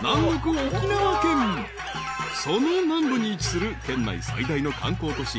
［その南部に位置する県内最大の観光都市